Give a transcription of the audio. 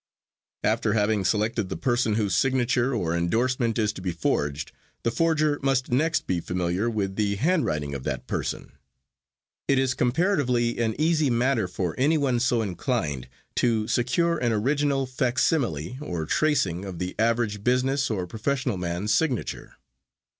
After having selected the person whose signature or endorsement is to be forged, the forger must next be familiar with the handwriting of that person. It is comparatively an easy matter for anyone so inclined to secure an original, facsimile or tracing of the average business or professional man's signature.